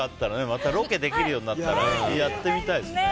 またロケできるようになったらやってみたいですね。